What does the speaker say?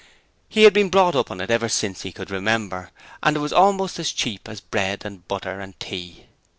He had been brought up on it ever since he could remember, and it was almost as cheap as bread and butter and tea.